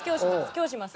今日します。